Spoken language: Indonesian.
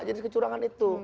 jadi kecurangan itu